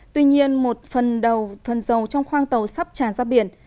tuy nhiên một phần dầu trong khoang tàu sắp tràn ra biển